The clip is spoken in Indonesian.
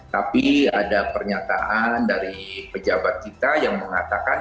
tapi ada pernyataan dari pejabat kita yang mengatakan